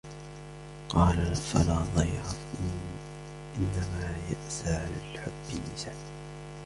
قَالَ فَلَا ضَيْرَ ، إنَّمَا يَأْسَى عَلَى الْحُبِّ النِّسَاءُ